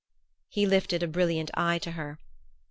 He lifted a brilliant eye to her.